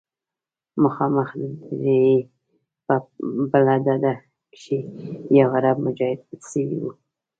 مخامخ د درې په بله ډډه کښې يو عرب مجاهد پټ سوى و.